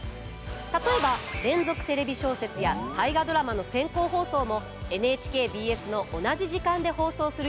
例えば「連続テレビ小説」や「大河ドラマ」の先行放送もＮＨＫＢＳの同じ時間で放送する予定です。